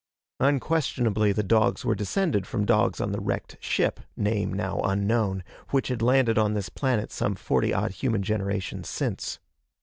Unquestionably the dogs were descended from dogs on the wrecked ship name now unknown which had landed on this planet some forty odd human generations since.